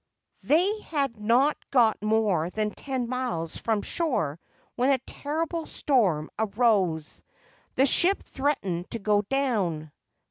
They had not got more than ten miles from shore when a terrible storm arose. The ship threatened to go down.